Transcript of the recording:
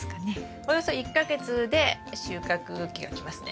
およそ１か月で収穫期が来ますね。